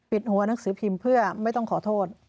หัวหนังสือพิมพ์เพื่อไม่ต้องขอโทษ